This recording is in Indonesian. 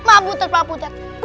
maap puter pak puter